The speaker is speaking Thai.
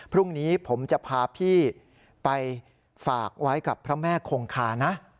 พรุ่งนี้ผมจะพาพี่ไปฝากไว้กับพระแม่คงคานะ